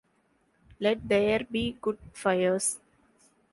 Let there be good fires.